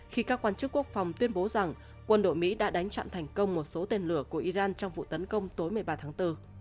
khi các quan chức quốc phòng tuyên bố rằng quân đội mỹ đã đánh chặn thành công một số tên lửa của iran trong vụ tấn công tối một mươi ba tháng bốn